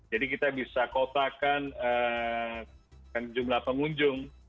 jadi kita bisa kotakan jumlah pengunjung